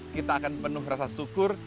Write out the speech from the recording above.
kita akan penuh rasa syukur